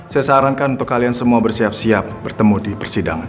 saya sarankan untuk kalian semua bersiap siap bertemu di persidangan